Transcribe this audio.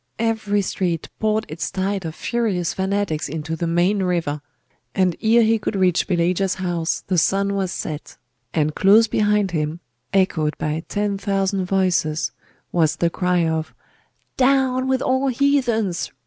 Every street poured its tide of furious fanatics into the main river; and ere he could reach Pelagia's house the sun was set, and close behind him, echoed by ten thousand voices, was the cry of 'Down with all heathens!